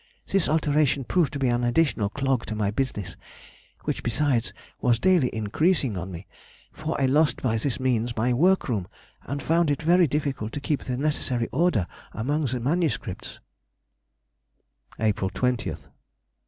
This alteration proved to be an additional clog to my business (which besides was daily increasing on me) for I lost by this means my workroom and found it very difficult to keep the necessary order among the MSS. _April 20th.